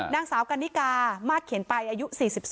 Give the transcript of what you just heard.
นางสาวกันนิกามากเขียนไปอายุ๔๒